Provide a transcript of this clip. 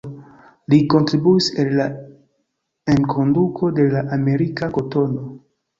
Li kontribuis al la enkonduko de la amerika kotono.